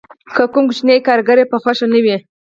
که کوم کوچنی کارګر یې په خوښه نه وي